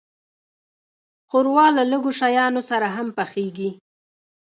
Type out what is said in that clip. ښوروا له لږو شیانو سره هم پخیږي.